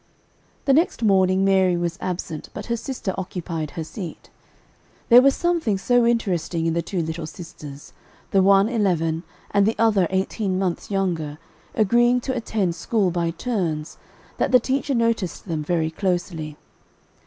The next morning Mary was absent, but her sister occupied her seat, There was something so interesting in the two little sisters, the one eleven, and the other eighteen months younger, agreeing to attend school by turns, that the teacher noticed them very closely.